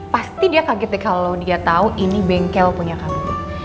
pasti dia kaget nih kalo dia tau ini bengkel punya kamu